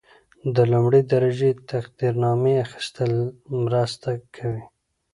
د لومړۍ درجې تقدیرنامې اخیستل مرسته کوي.